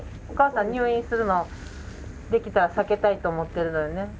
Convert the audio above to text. お母さん入院するのできたら避けたいって思ってるのよね？